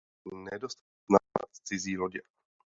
Nedostatek uhlí silně omezoval schopnost napadat cizí lodě.